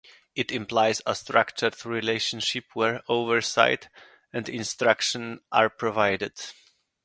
It implies a structured relationship where oversight and instruction are provided.